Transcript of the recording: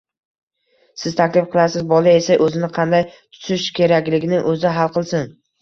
Siz taklif qilasiz, bola esa o‘zini qanday tutish kerakligini o‘zi hal qilsin.